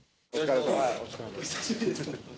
お久しぶりです。